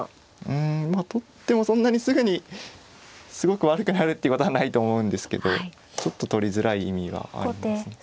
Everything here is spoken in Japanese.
うんまあ取ってもそんなにすぐにすごく悪くなるっていうことはないと思うんですけどちょっと取りづらい意味はありますね。